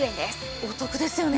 お得ですよね